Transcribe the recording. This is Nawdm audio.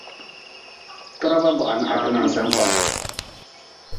Toraba boha na ha ti nan sen kpam.